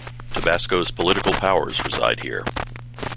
Tabasco's political powers reside here.